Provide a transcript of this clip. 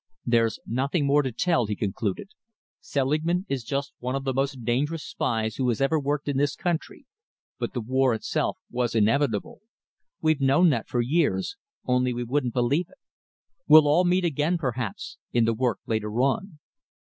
"There's nothing more to tell you," he concluded. "Selingman is just one of the most dangerous spies who has ever worked in this country, but the war itself was inevitable. We've known that for years, only we wouldn't believe it. We'll all meet again, perhaps, in the work later on."